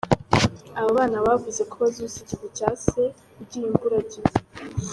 Aba bana bavuze ko bazusa ikivi cya se ‘ugiye imburagihe’.